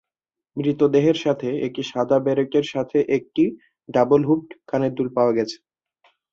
মৃতদেহের সাথে, একটি সাদা ব্যারেটের সাথে একটি ডাবল-হুপড কানের দুল পাওয়া গেছে।